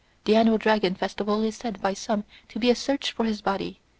The Annual Dragon Festival is said by some to be a "search" for his body.